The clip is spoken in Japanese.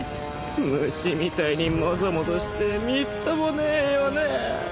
虫みたいにもぞもぞしてみっともねえよなぁ。